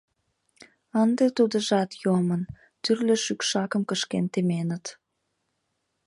Ынде тудыжат йомын, тӱрлӧ шӱкшакым кышкен теменыт.